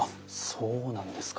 そうなんですか。